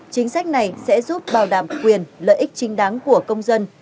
chính sách này sẽ giúp bảo đảm quyền lợi ích chính đáng của công dân